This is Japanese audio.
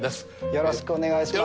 よろしくお願いします。